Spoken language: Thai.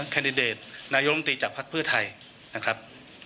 แคนดิเดตนายมตรีจากพักเพื่อไทยนะครับ